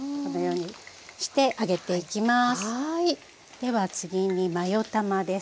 では次にマヨ卵です。